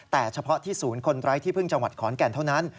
แต่เฉพาะที่ศูนย์คนไร้ที่พึ่งจังหวัดขอนแก่นเท่านั้น